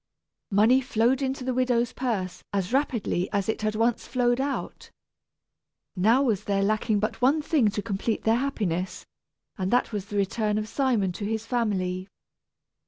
Money flowed into the widow's purse as rapidly as it had once flowed out. Now was there lacking but one thing to complete their happiness, and that was the return of Simon to his family.